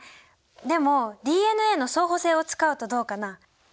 でもＤＮＡの相補性を使うとどうかな。